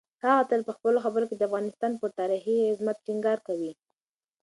هغه تل په خپلو خبرو کې د افغانستان پر تاریخي عظمت ټینګار کوي.